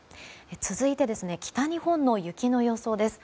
続いて、北日本の雪の予想です。